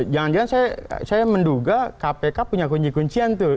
jangan jangan saya menduga kpk punya kunci kuncian tuh